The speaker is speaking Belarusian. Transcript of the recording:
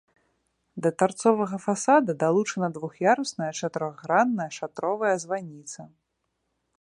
Да тарцовага фасада далучана двух'ярусная чатырохгранная шатровая званіца.